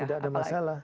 tidak ada masalah